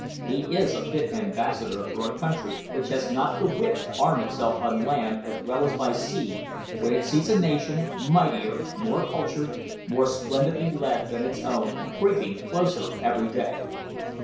He is a fit ambassador for a country which has not the wit to arm itself on land as well as by sea, when it sees a nation, mightier, more cultured, more splendidly led than its own, creeping closer every day."